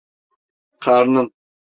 Karnım!